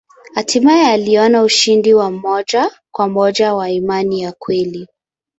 Hatimaye aliona ushindi wa moja kwa moja wa imani ya kweli.